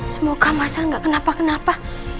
semoga mas al gak kenapa kenapa